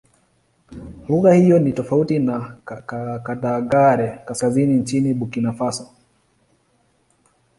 Lugha hiyo ni tofauti na Kidagaare-Kaskazini nchini Burkina Faso.